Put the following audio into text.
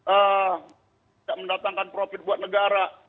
tidak mendatangkan profit buat negara